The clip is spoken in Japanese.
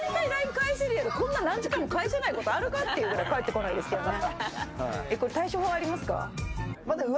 返せるやろ、こんな何時間も返せないことあるかってぐらい返ってこないんですよね。